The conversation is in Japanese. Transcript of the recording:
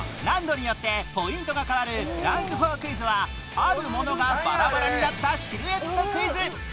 難度によってポイントが変わるランク４クイズはあるものがバラバラになったシルエットクイズ